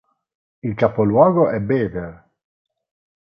Il capoluogo è Beaver.